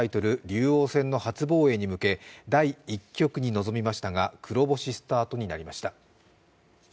竜王戦の初防衛に向け、第１局に臨みましたが、黒星スタートになりました。